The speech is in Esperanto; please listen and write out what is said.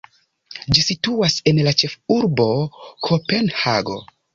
Ĝi situas en la ĉefurbo Kopenhago.